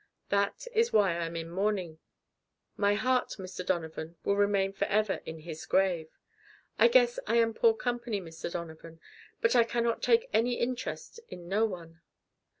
"That is why I am in mourning. My heart, Mr. Donovan, will remain forever in his grave. I guess I am poor company, Mr. Donovan, but I can not take any interest in no one.